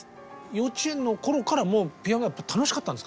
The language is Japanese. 幼稚園の頃からもうピアノは楽しかったんですか？